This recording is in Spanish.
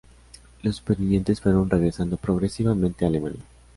Los supervivientes fueron regresando progresivamente a Alemania.